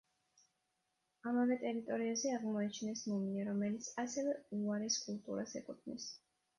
ამავე ტერიტორიაზე, აღმოაჩინეს მუმია, რომელიც ასევე უარის კულტურას ეკუთვნის.